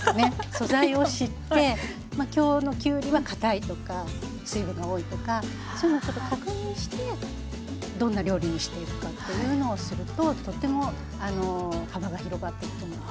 素材を知って今日のきゅうりはかたいとか水分が多いとかそういうのをちょっと確認してどんな料理にしていくかっていうのをするととっても幅が広がっていくと思います。